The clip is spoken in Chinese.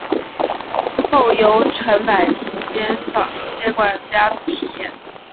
后由陈柏廷接管家族事业。